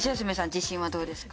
自信はどうですか？